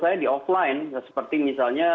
saya di offline seperti misalnya